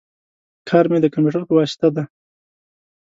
کار می د کمپیوټر په واسطه دی